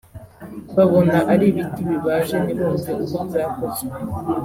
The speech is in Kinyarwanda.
Babona ari ibiti bibaje ntibumve uko byakozwe